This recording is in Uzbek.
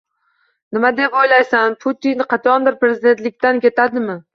- Nima deb o'ylaysan Putin qachondir prezidentlikdan ketadimi?